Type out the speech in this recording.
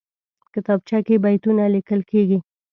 کتابچه کې بیتونه لیکل کېږي